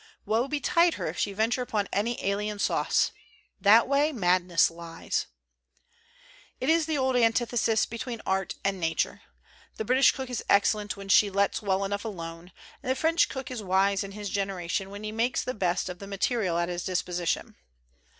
Woe betide her if she venture upon any alien sauce ! That way madness lies ! It is the old antithesis between art and na ture. The British cook is excellent when she lets well enough alone; and the French cook is wise in his generation when he makes the best 190 COSMOPOLITAN COOKERY of the material at his disposition.